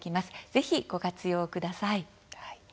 ぜひご活用ください。